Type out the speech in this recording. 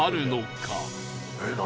えっ何？